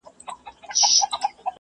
تر منګول یې څاڅکی څاڅکی تویېدلې !.